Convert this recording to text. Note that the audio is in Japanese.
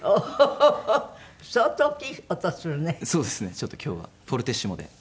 ちょっと今日はフォルティッシモで。